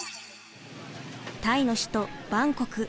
タイの首都バンコク。